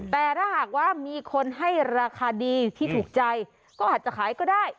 แต่ถ้าหากว่ามีคนให้ราคาดีที่ถูกใจก็อาจจะขายก็ได้